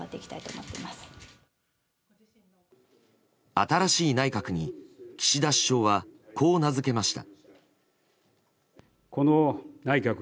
新しい内閣に岸田首相はこう名付けました。